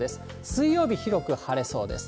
水曜日、広く晴れそうです。